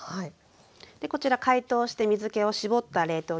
でこちら解凍して水けを絞った冷凍きゅうりですね。